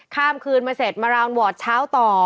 ข้ามคืนมาเสร็จมารานวอร์ดเช้าต่อ